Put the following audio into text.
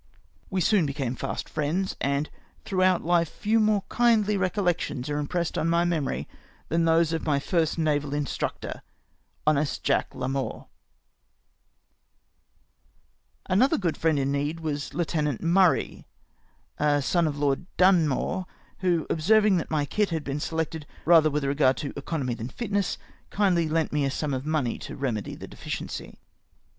We soon be came fast friends, and throughout life few more kindly recollections are impressed on my memory than those of my first naval instructor, honest Jack Larmour. DOCKYARDS SIXTY YEARS AGO. 53 Another good friend in need was Lieutenant Murray, a son of Lord Dunmore, wlio observing that my kit had been selected rather with a regard to economy than fitness, Idiidly lent me a sum of money to remedy the deficiency.